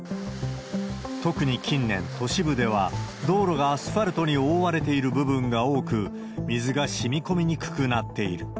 特に近年、都市部では道路がアスファルトに覆われている部分が多く、水がしみこみにくくなっている。